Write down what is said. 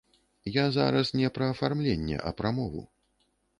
Я зараз не пра афармленне, а пра мову.